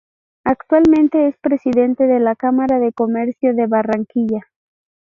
Actualmente es el Presidente de la Cámara de Comercio de Barranquilla.